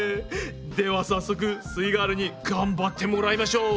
では早速すイガールに頑張ってもらいましょう。